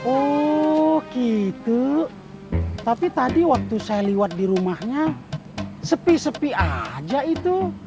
oh gitu tapi tadi waktu saya liwat di rumahnya sepi sepi aja itu